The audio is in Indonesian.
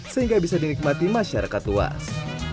sehingga bisa dinikmati masyarakat luas